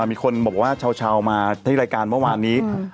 มีคนบอกว่าเช้ามาที่รายการเมื่อวานนี้